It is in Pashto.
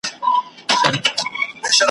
خر هغه دی خو کته یې بدله ده ,